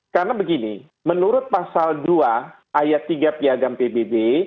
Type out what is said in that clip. karena begini menurut pasal dua ayat tiga piagam pbb